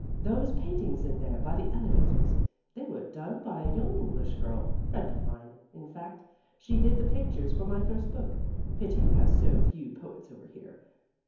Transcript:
Those paintings in there, by the elevators, they were done by a young English girl. Friend of mine in fact, she did the pictures for my first book. Pity you have so few poets over here.